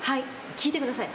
聞いてください。